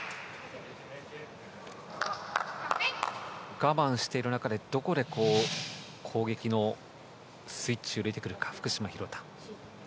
我慢している中でどこで攻撃のスイッチを入れてくるか、福島、廣田。